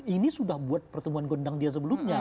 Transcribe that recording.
ini sudah buat pertemuan gondang dia sebelumnya